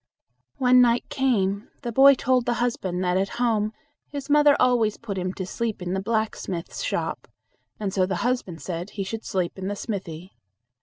When night came the boy told the husband that at home his mother always put him to sleep in the blacksmith's shop, and so the husband said he should sleep in the smithy.